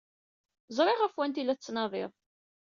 Ẓriɣ ɣef wanta ay la tettnadi.